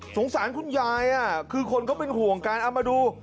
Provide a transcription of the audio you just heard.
สารคุณยายคือคนเขาเป็นห่วงการเอามาดู